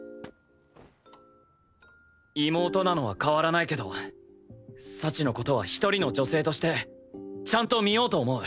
妹なのは変わらないけど幸の事は一人の女性としてちゃんと見ようと思う。